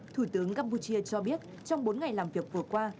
thủ tướng campuchia cho biết trong bốn ngày làm việc vừa qua